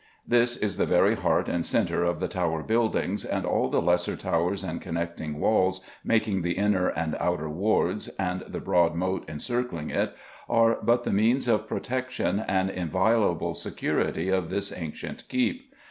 _ This is the very heart and centre of the Tower buildings, and all the lesser towers and connecting walls, making the Inner and Outer Wards, and the broad moat encircling all, are but the means of protection and inviolable security of this ancient keep.